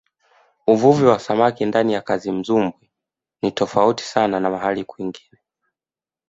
uvuvi wa samaki ndani ya kazimzumbwi ni tofauti sana na mahali kwingine